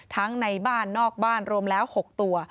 ในบ้านนอกบ้านรวมแล้ว๖ตัว